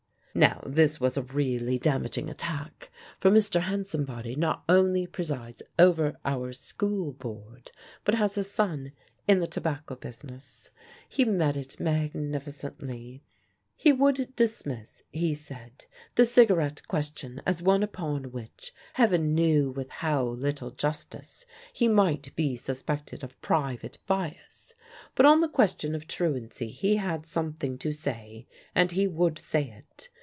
Now this was a really damaging attack, for Mr. Hansombody not only presides over our School Board, but has a son in the tobacco business. He met it magnificently. "He would dismiss (he said) the cigarette question as one upon which Heaven knew with how little justice! he might be suspected of private bias; but on the question of truancy he had something to say, and he would say it.